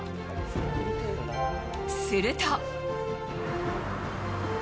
すると。